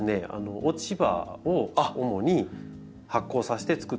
落ち葉を主に発酵させてつくってる。